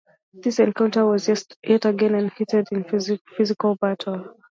This encounter was yet again a very heated and physical battle.